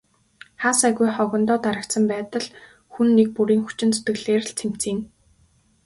Хаа сайгүй хогондоо дарагдсан байдал хүн нэг бүрийн хүчин зүтгэлээр л цэмцийнэ.